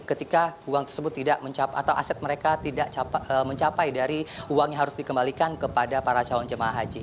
ketika uang tersebut tidak mencapai atau aset mereka tidak mencapai dari uang yang harus dikembalikan kepada para calon jemaah haji